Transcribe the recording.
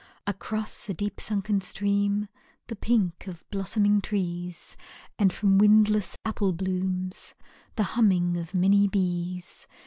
Across a deep sunken stream The pink of blossoming trees, And from windless appleblooms The humming of many bees.